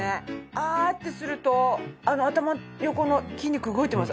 「あ」ってすると頭の横の筋肉動いてます。